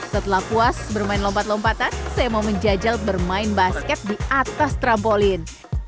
setelah puas bermain lompat lompatan saya mau menjajal bermain basket di atas trampolin